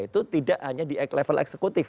itu tidak hanya di level eksekutif